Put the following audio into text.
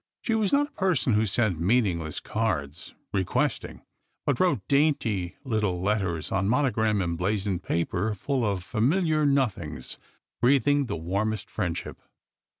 She was not a person who sent meaningless cards " requesting," but wrote dainty little letters on monogram emblazoned paper, full of familiar nothings, breathing the warmest friendship.